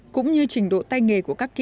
cũng như trình độ tay nghề của các nhà thầu